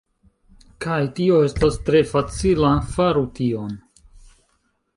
Kaj tio estas tre facila faru tion